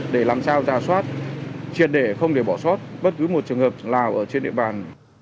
để làm sao giả soát triển đề không để bỏ soát bất cứ một trường hợp nào ở trên địa bàn